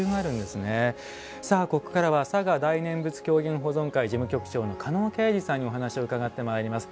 ここからは嵯峨大念佛狂言保存会事務局長の加納敬二さんにお話を伺ってまいります。